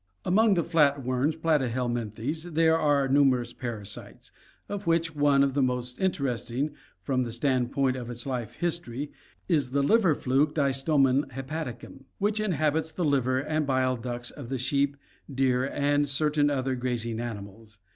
Among the flatworms, Platyhelminthes, there are numerous parasites, of which one of the most interesting from the stand point of its life history is the liver fluke, Distomum hepaticnm, which inhabits the liver and bile ducts of the sheep, deer, and cer tain other grazing animals.